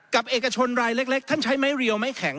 เอกชนรายเล็กท่านใช้ไม้เรียวไม้แข็ง